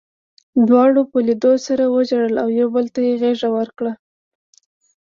دواړو په لیدو سره وژړل او یو بل ته یې غېږه ورکړه